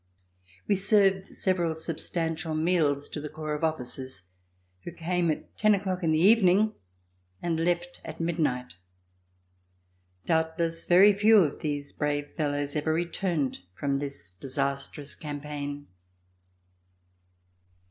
We served several substantial meals to the corps of officers who came at ten o'clock in the evening and left at midnight. Doubtless very few of these brave fellows ever re turned from this disastrous campaign.